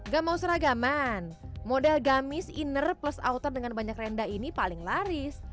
gak mau seragaman model gamis inner plus outer dengan banyak rendah ini paling laris